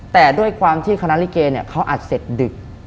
แต่ด้วยความที่คณะลิเกเนี่ยเขาอัดเสร็จดึก